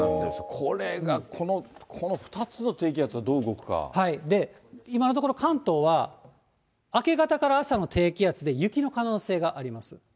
これが、この今のところ関東は、明け方から朝の低気圧で、雪の可能性があります。